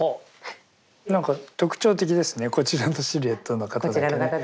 何か特徴的ですねこちらのシルエットの方だけね。